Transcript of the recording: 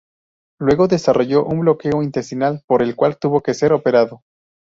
Luego desarrolló un bloqueo intestinal por el cual tuvo que ser operado.